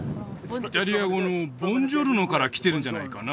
イタリア語の「ボンジョルノ」から来てるんじゃないかな？